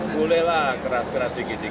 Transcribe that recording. bolehlah keras keras sedikit sedikit